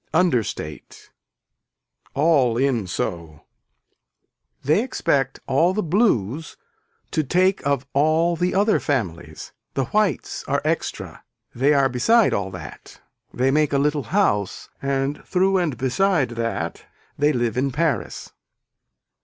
Understate. All in so. They expect all the blues to take of all the other families, the whites are extra they are beside all that, they make a little house and through and beside that they live in Paris.